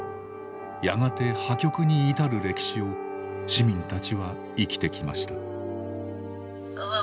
やがて破局に至る歴史を市民たちは生きてきました。